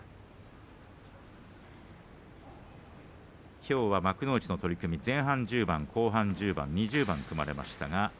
きょうは幕内取組前半１０番後半２０番組まれました。